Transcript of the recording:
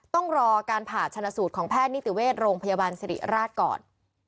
ต้องรอการผ่าชนะสูตรของแพทย์นิติเวชโรงพยาบาลสิริราชก่อน